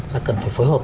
là cần phải phối hợp